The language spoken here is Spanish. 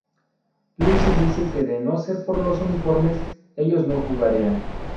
Lucy dice que de no ser por los uniformes, ellos no jugarían.